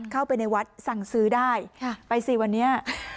เข้าไปในวัดสั่งซื้อได้ไปสิวันนี้